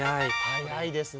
早いですね。